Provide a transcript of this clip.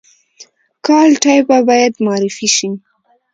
کالтура باید معرفي شي